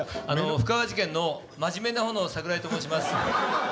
布川事件の真面目な方の桜井と申します。